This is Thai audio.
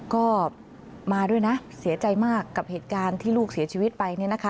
ก็มาด้วยนะเสียใจมากกับเหตุการณ์ที่ลูกเสียชีวิตไปเนี่ยนะคะ